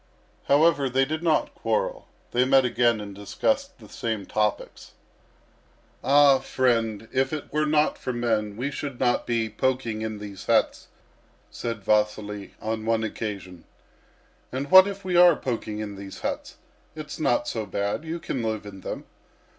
However, they did not quarrel. They met again and discussed the same topics. "All, mend, if it were not for men we should not be poking in these huts," said Vasily, on one occasion. "And what if we are poking in these huts? It's not so bad. You can live in them."